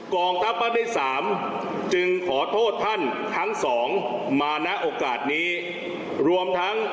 กองทัพภาคที่๓จึงขอโทษท่านทั้งสองมาณโอกาสนี้รวมทั้ง